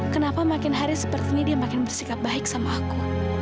kenapa makin hari seperti ini dia makin bersikap baik sama aku